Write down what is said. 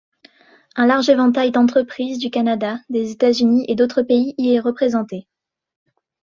Un large éventail d'entreprises du Canada, des États-Unis et d'autres pays y est représenté.